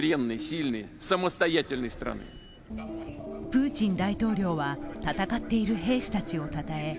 プーチン大統領は戦っている兵士たちをたたえ